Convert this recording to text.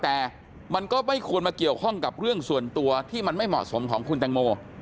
แต่มันก็ไม่ควรมาเกี่ยวข้องกับเรื่องส่วนตัวที่มันไม่เหมาะสมของคุณแตงโม